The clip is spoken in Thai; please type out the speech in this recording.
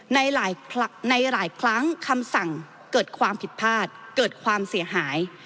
ในหลายครั้งคำสั่งเกิดความผิดพลาดเกิดความเสียหาย